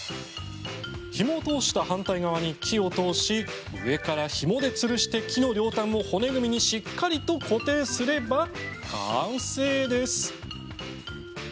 ひもを通した反対側に木を通し上からひもでつるして木の両端を骨組みにしっかりと固定すれば、完成です。